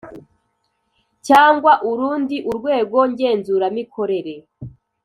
Cyangwa urundi urwego ngenzuramikorere